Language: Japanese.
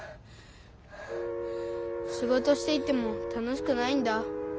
しごとしていても楽しくないんだ。